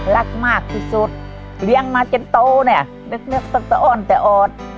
รักมากที่สุดเลี้ยงมาเจ็ดโตเนี่ยนึกนึกสักตะอ่อนแต่อ่อน